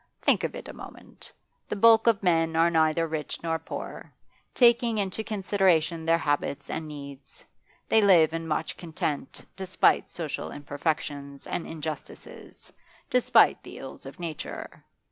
Think of it a moment. The bulk of men are neither rich nor poor, taking into consideration their habits and needs; they live in much content, despite social imperfections and injustices, despite the ills of nature.